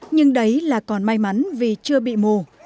nhưng đấy là còn may mắn vì chưa bị mù